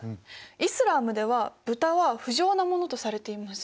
イスラームでは豚は不浄なものとされています。